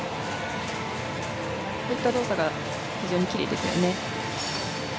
こういった動作が非常にきれいですよね。